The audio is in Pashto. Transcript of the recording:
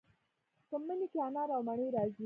په مني کې انار او مڼې راځي.